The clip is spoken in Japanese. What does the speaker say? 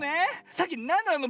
さっきなんなの？